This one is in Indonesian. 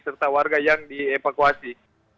serta warga yang dievakuasi